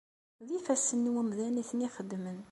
D ifassen n umdan i ten-ixedmen.